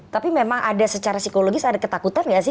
tapi memang ada secara psikologis ada ketakutan nggak sih